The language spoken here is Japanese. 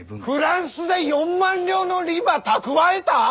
フランスで４万両の利ば蓄えた！？